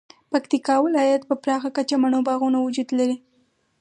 پکتیکا ولایت کې په پراخه کچه مڼو باغونه وجود لري